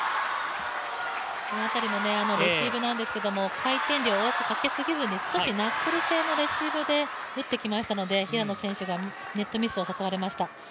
この辺りもレシーブなんですけど、回転量をかけすぎずに少しナックル性のレシーブで打ってきましたので平野選手がネットミスを誘われました。